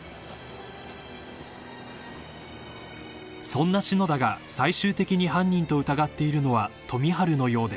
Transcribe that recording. ［そんな篠田が最終的に犯人と疑っているのは富治のようで］